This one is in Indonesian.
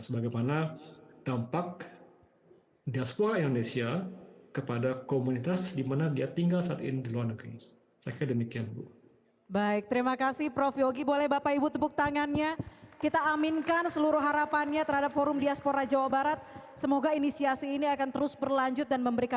sebagaimana dampak diaspora indonesia kepada komunitas di mana dia tinggal saat ini